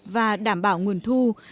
và đảm bảo nguồn thu